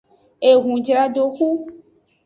Ehunjradoxu.